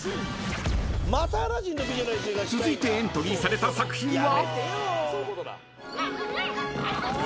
［続いてエントリーされた作品は？］